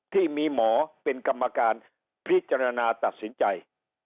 ที่มีหมอเป็นกรรมการพิจารณาตัดสินใจ